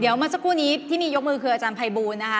เดี๋ยวเมื่อสักครู่นี้ที่มียกมือคืออาจารย์ภัยบูลนะคะ